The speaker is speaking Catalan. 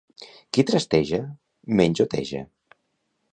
Qui trasteja, menjoteja.